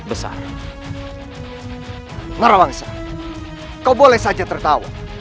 terima kasih guru